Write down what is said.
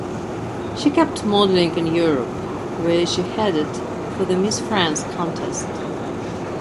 She kept modeling in Europe, where she headed for the "Miss France" Contest.